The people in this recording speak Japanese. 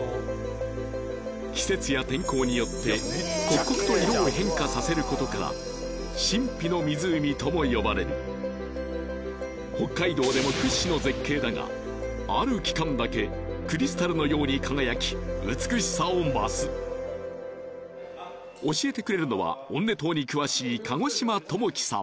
季節や天候によって刻々と色を変化させることから神秘の湖とも呼ばれる北海道でも屈指の絶景だがある期間だけクリスタルのように輝き美しさを増す教えてくれるのはオンネトーに詳しい神子島智樹さん